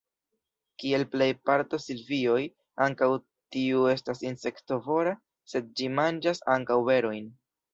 Kiel plej parto de silvioj, ankaŭ tiu estas insektovora, sed ĝi manĝas ankaŭ berojn.